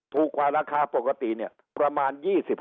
ถูกกว่าราคาปกติประมาณ๒๖